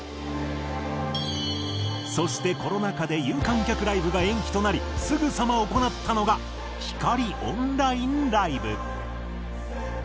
そしてコロナ禍で有観客ライブが延期となりすぐさま行ったのが光ＯＮＬＩＮＥライブ。